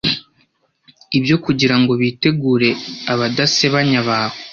ibyo kugirango bitugire abadasebanya bawe